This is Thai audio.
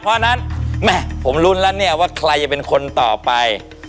เพราะฉะนั้นแม่ผมรุ้นแล้วเนี่ยว่าใครจะเป็นคนต่อไป